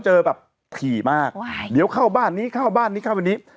เจอแบบถี่มากเดี๋ยวเข้าบ้านนี้เข้าบ้านนี้เข้าวันนี้